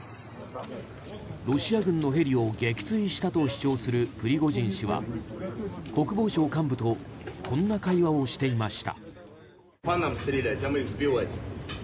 ロシア軍のヘリを撃墜したと主張するプリゴジン氏は国防省幹部とこんな会話をしていました。